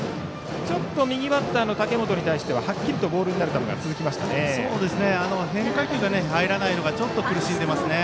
右バッターの竹本に対してはっきりとボールになる球が続きましたね。